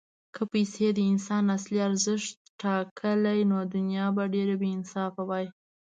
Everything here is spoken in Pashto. که پیسې د انسان اصلي ارزښت ټاکلی، نو دنیا به ډېره بېانصافه وای.